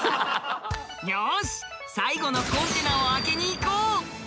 よし最後のコンテナを開けにいこう！